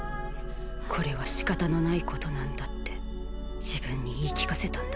これはしかたのないことなんだって自分に言い聞かせたんだ。